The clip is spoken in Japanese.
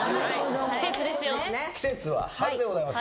季節は春でございます。